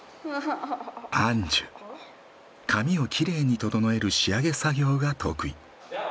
髪をきれいに整える仕上げ作業が得意。